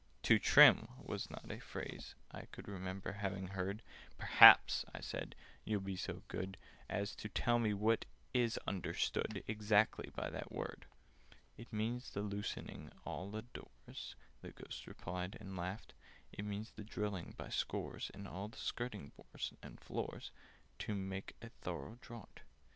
"To trim" was not a phrase I could Remember having heard: "Perhaps," I said, "you'll be so good As tell me what is understood Exactly by that word?" [Picture: The wainscotings begin to go] "It means the loosening all the doors," The Ghost replied, and laughed: "It means the drilling holes by scores In all the skirting boards and floors, To make a thorough draught.